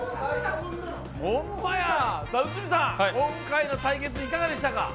内海さん、今回の対決いかがでしたか？